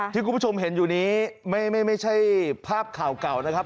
ที่คุณผู้ชมเห็นอยู่นี้ไม่ใช่ภาพข่าวเก่านะครับ